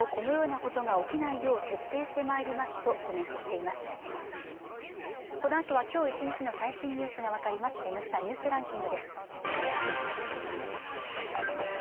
このあとは今日一日の最新ニュースが分かります「Ｎスタニュースランキング」です。